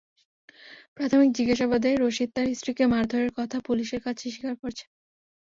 প্রাথমিক জিজ্ঞাসাবাদে রশিদ তাঁর স্ত্রীকে মারধরের কথা পুলিশের কাছে স্বীকার করেছেন।